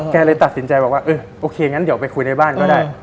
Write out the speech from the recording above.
เลยตัดสินใจบอกว่าเออโอเคงั้นเดี๋ยวไปคุยในบ้านก็ได้